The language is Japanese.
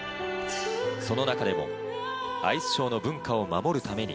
その中でもアイスショーの文化を守るために